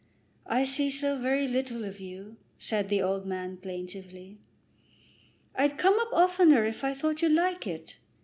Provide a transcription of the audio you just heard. "I see so very little of you," said the old man plaintively. "I'd come up oftener if I thought you'd like it."